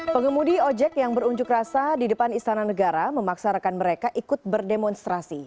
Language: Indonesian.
pengemudi ojek yang berunjuk rasa di depan istana negara memaksa rekan mereka ikut berdemonstrasi